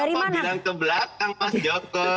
pak joko bilang ke belakang pak joko